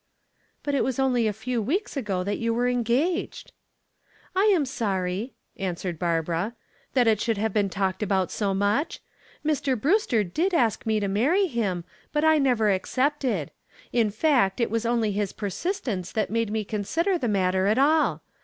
"But it was only a few weeks ago that you were engaged." "I am sorry," answered Barbara, "that it should have been talked about so much. Mr. Brewster did ask me to marry him, but I never accepted. In fact, it was only his persistence that made me consider the matter at all.